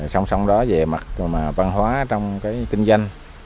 xong xong đó về mặt văn hóa trong cái kinh doanh